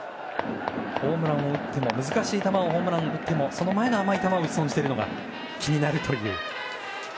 難しい球をホームラン打ってもその前の甘い球を打ち損じているのが気になるという。